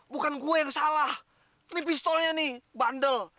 bukan gue yang salah ini pistolnya nih bandel